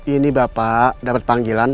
ini bapak dapet panggilan